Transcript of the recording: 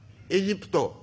「エジプト。